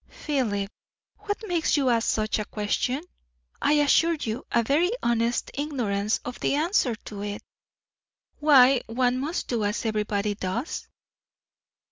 "Philip, what makes you ask such a question?" "I assure you, a very honest ignorance of the answer to it." "Why, one must do as everybody does?"